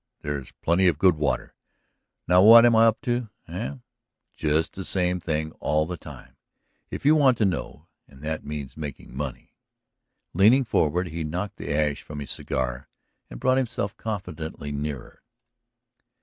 There's plenty of good water. Now, what am I up to, eh? Just the same thing all the time, if you want to know. And that means making money." Leaning forward he knocked the ash from his cigar and brought himself confidentially nearer.